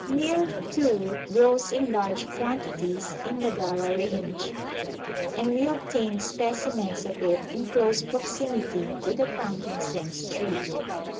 Myrrh, too, grows in large quantities in the Gara range, and we obtained specimens of it in close proximity to the frankincense tree.